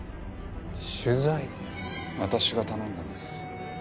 私が頼んだんです。